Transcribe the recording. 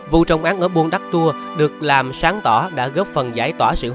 vụ trông án ở buôn đắc tua được làm sáng tỏ đã góp phần giải tỏa sự hoang